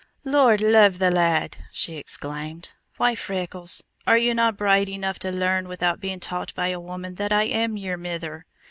"Lord love the lad!" she exclaimed. "Why, Freckles, are ye no bright enough to learn without being taught by a woman that I am your mither?